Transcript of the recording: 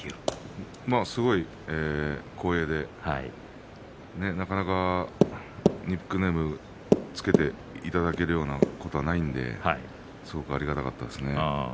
すごい光栄でなかなかニックネームを付けていただけるようなことはないのですごく、ありがたかったですね。